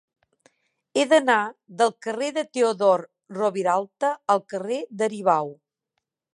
He d'anar del carrer de Teodor Roviralta al carrer d'Aribau.